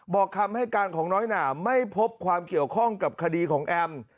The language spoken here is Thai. บอกคำให้การของน้อยหนาไม่พบความเกี่ยวข้องกับคดีของแอม